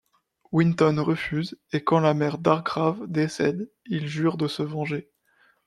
Winton refuse, et quand la mère d'Hargrave décède, il jure de se venger.